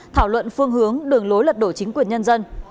thảo luận phương hướng đường lối lật đổ chính quyền nhân dân